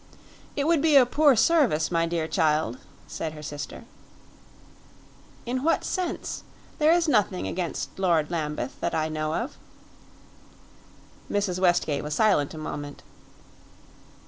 "It would be a poor service, my dear child," said her sister. "In what sense? There is nothing against Lord Lambeth that I know of." Mrs. Westgate was silent a moment.